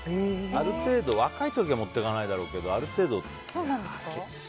ある程度、若い時は持っていかないだろうけど。